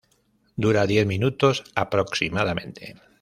Dura diez minutos aproximadamente.